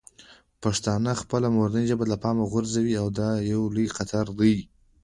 پښتانه خپله مورنۍ ژبه له پامه غورځوي او دا یو لوی خطر دی.